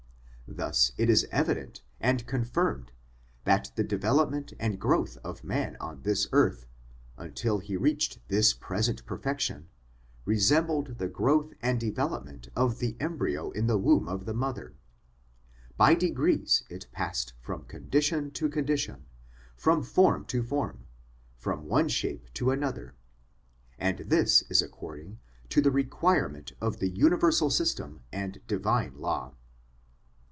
Thus it is evident and confirmed that the development and growth of man on this earth, until he reached his present perfec tion, resembled the growth and development of the embryo in the womb of the mother : by degrees it passed from condition to condition, from form to form, from one shape to another, for this is according to the require ment of the universal system and Divine Law.